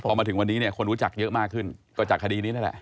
พอมาถึงวันนี้เนี่ยคนรู้จักเยอะมากขึ้นก็จากคดีนี้นั่นแหละ